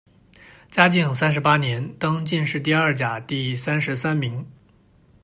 嘉靖三十八年，登进士第二甲第三十三名。